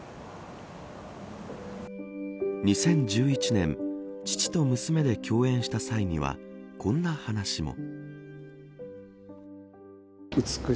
２０１１年父と娘で共演した際にはこんな話も。